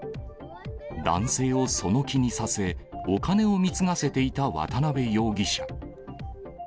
男性をその気にさせ、お金を貢がせていた渡辺容疑者。